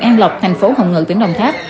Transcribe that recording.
trong lọc tp hồng ngự tỉnh đồng tháp